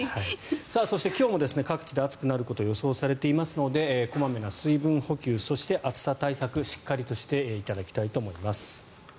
そして、今日も各地で暑くなることが予想されていますので小まめな水分補給そして暑さ対策をしっかりとしていただきたいと思います。